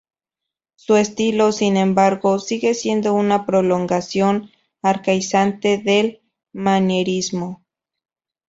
Su estilo, sin embargo, sigue siendo una prolongación arcaizante del manierismo.